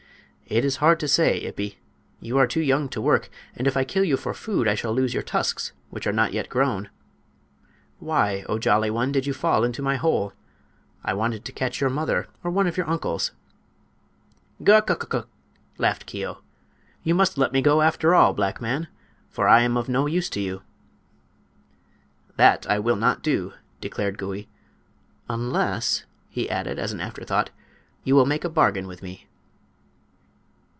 "It is hard to say, Ippi. You are too young to work, and if I kill you for food I shall lose your tusks, which are not yet grown. Why, O Jolly One, did you fall into my hole? I wanted to catch your mother or one of your uncles." "Guk uk uk uk!" laughed Keo. "You must let me go, after all, black man; for I am of no use to you!" "That I will not do," declared Gouie; "unless," he added, as an afterthought, "you will make a bargain with me."